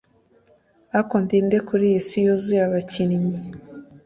ariko ndi nde kuriyi si yuzuye abakinnyi